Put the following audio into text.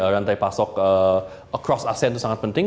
rantai pasok across asean itu sangat penting